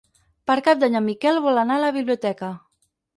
Per Cap d'Any en Miquel vol anar a la biblioteca.